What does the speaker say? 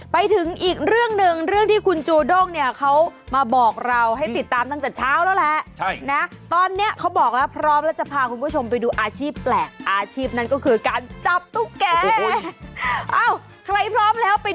ไปถึงอีกเรื่องหนึ่งเรื่องที่คุณจูด้งเนี่ยเขามาบอกเราให้ติดตามตั้งแต่เช้าแล้วแหละ